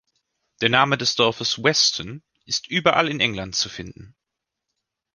Der Name des Dorfes "Weston" ist überall in England zu finden.